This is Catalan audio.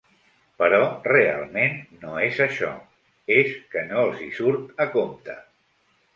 Però realment no és això: és que no els hi surt a compte.